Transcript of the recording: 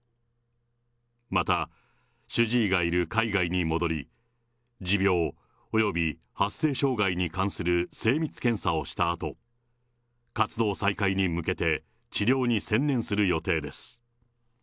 また、主治医がいる海外に戻り、持病、および発声障害に関する精密検査をしたあと、活動再開に向けて治療に専念する予定です。